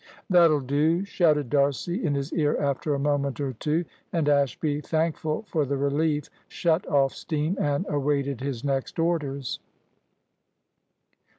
"That'll do," shouted D'Arcy in his ear after a moment or two, and Ashby, thankful for the relief, shut off steam and awaited his next orders.